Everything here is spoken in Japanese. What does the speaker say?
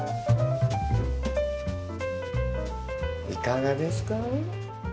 いかがですか？